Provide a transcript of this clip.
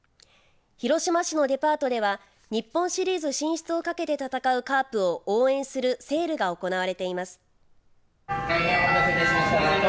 広島市のデパートでは日本シリーズ進出を懸けて戦うカープを応援するセールが行われています。